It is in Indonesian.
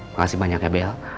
makasih banyak ya bel